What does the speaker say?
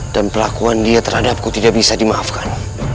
dan perlakuan dia terhadapku tidak bisa dimaafkan